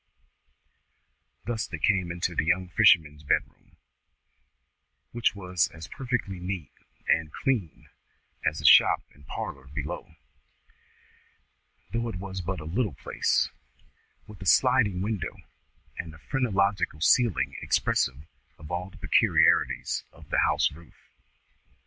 Thus they came into the young fisherman's bedroom, which was as perfectly neat and clean as the shop and parlour below; though it was but a little place, with a sliding window, and a phrenological ceiling expressive of all the peculiarities of the house roof.